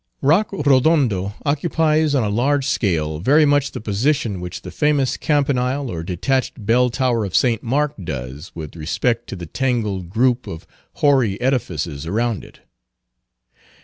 Rock Rodondo occupies, on a large scale, very much the position which the famous Campanile or detached Bell Tower of St. Mark does with respect to the tangled group of hoary edifices around it.